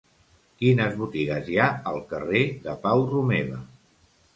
Quines botigues hi ha al carrer de Pau Romeva?